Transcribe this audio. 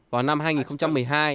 vào năm hai nghìn một mươi hai